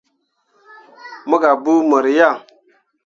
Mo gah buu mor yaŋ.